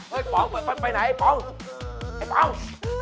เฮ้ยปองไปไหนไอ้ปองไอ้ปอง